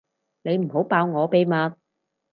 你唔好爆我秘密